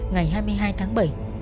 ngày hai mươi hai tháng bảy